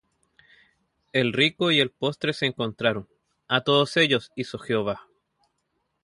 El rico y el pobre se encontraron: A todos ellos hizo Jehová.